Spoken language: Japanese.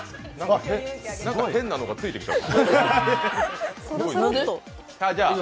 何か変なのがついてきた。